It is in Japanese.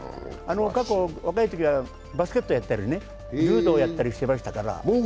過去、若いときはバスケットやったり柔道やったりしてましたから。